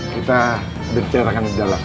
kita bercerakan di dalam